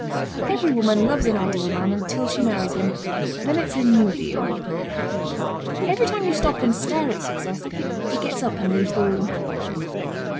Every woman loves an ideal man until she marries him then it's a new deal. Every time you stop and stare at Success it gets up and leaves the room.